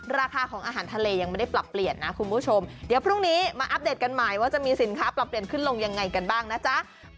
ราคาของอาหารทะเลยังไม่ได้ปรับเปลี่ยนนะคุณผู้ชมเดี๋ยวพรุ่งนี้มาอัปเดตกันใหม่ว่าจะมีสินค้าปรับเปลี่ยนขึ้นลงยังไงกันบ้างนะจ๊ะ